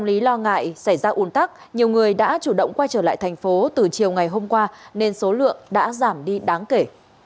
lý lo ngại xảy ra ủn tắc nhiều người đã chủ động quay trở lại thành phố từ chiều ngày hôm qua nên số lượng đã giảm đi đáng kể